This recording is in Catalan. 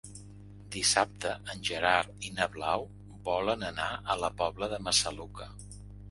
Dissabte en Gerard i na Blau volen anar a la Pobla de Massaluca.